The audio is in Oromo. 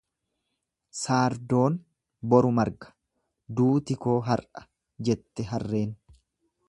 Saardoon boru marga duuti koo har'a jette harreen.